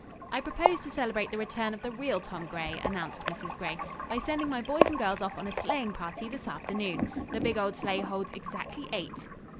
"I propose to celebrate the return of the real Tom Gray," announced Mrs. Gray, "by sending my boys and girls off on a sleighing party this afternoon. The big old sleigh holds exactly eight.